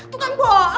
tuh kan bohong